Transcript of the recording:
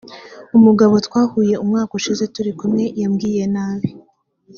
umugabo twahuye umwaka ushize turi kumwe yambwiye nabi